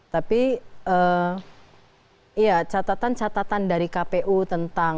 tapi catatan catatan dari kpu tentang